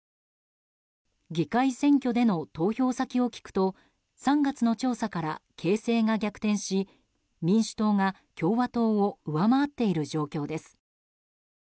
議会選挙での投票先を聞くと３月の調査から形勢が逆転し民主党が共和党を上回っている状況です。